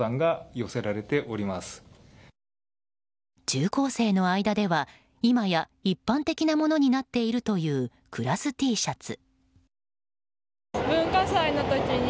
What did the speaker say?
中高生の間では、今や一般的なものになっているというクラスＴシャツ。